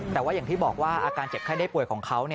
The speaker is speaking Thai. แต่ว่าอย่างที่บอกว่าอาการเจ็บไข้ได้ป่วยของเขา